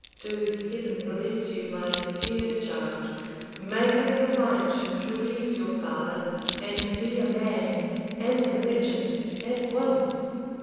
Do, Heaven bless you, my dear child, make up your mind to please your father, and to be a man and a merchant at once."